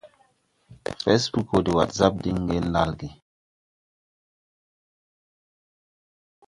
Fɛsbug wɔ de wasap diŋ ŋdel ɗalge.